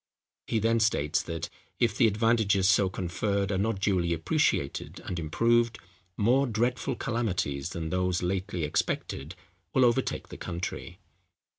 He then states that, if the advantages so conferred are not duly appreciated and improved, more dreadful calamities than those lately expected will overtake the country.